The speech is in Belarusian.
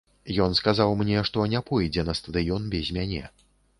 Ён сказаў мне, што не пойдзе на стадыён без мяне.